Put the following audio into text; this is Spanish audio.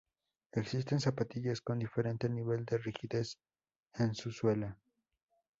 Existen zapatillas con diferente nivel de rigidez en su suela.